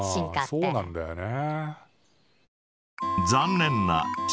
うんそうなんだよね。